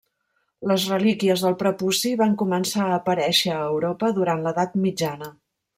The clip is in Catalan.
Les relíquies del prepuci van començar a aparèixer a Europa durant l'edat mitjana.